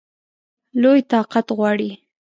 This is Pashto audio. لوی طاقت غواړي.